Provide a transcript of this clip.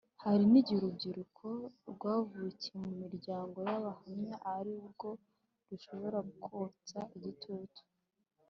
Hari n igihe urubyiruko rwavukiye mu miryango y Abahamya ari rwo rushobora kukotsa igitutu